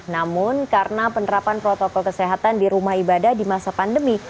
namun karena penerapan protokol kesehatan di rumah ibadah di masa pandemi